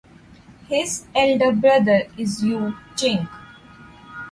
His elder brother is You Ching.